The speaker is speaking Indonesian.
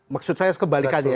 maksud saya kebalikannya ya